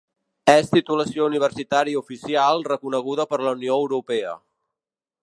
És titulació universitària oficial reconeguda per la Unió Europea.